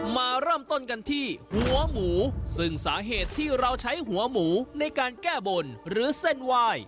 มาเริ่มต้นกันที่หัวหมูซึ่งสาเหตุที่เราใช้หัวหมูในการแก้บนหรือเส้นไหว้